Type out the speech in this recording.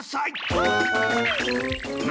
はい！